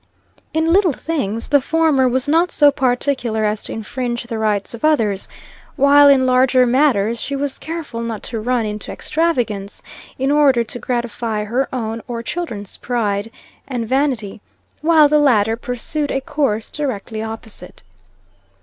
In little things, the former was not so particular as to infringe the rights of others, while in larger matters, she was careful not to run into extravagance in order to gratify her own or children's pride and vanity, while the latter pursued a course directly opposite.